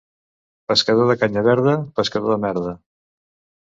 Pescador de canya verda, pescador de merda.